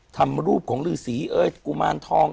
ทำรูปของฤษีเอ้ยกุมารทอง